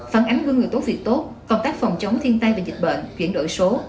phản ánh gương người tốt việc tốt công tác phòng chống thiên tai và dịch bệnh chuyển đổi số